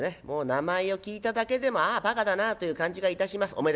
もう名前を聞いただけでもああバカだなという感じがいたします。